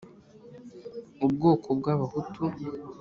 ubwoko bw'abahutu